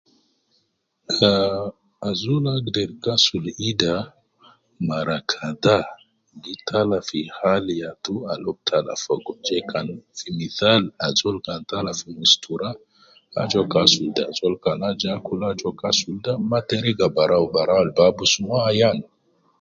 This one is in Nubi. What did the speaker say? Ah, azol agder kasul ida ,mara kadha, gi tala fi halu yatu al uwo tala fogo je kan fi nidham ajol kan tala fi mustura aju uwo kasul ida ajol kan aju akul aju uwo kasul ida ma teriga bara bara al bi abus mo ayan